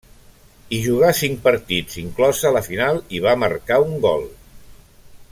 Hi jugà cinc partits, inclosa la final, i va marcar un gol.